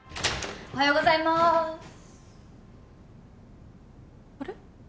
おはようございますあれ？